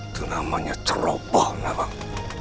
itu namanya ceroboh nawang